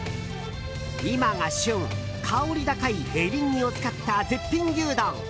今が旬、香り高いエリンギを使った絶品牛丼！